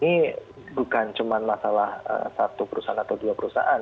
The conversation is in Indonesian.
ini bukan cuma masalah satu perusahaan atau dua perusahaan